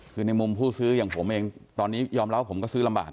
คือในมุมผู้ซื้ออย่างผมเองตอนนี้ยอมรับว่าผมก็ซื้อลำบาก